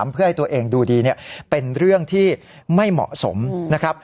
เพื่อให้ตัวเองดูดีเป็นเรื่องที่ไม่เหมาะสมนะครับ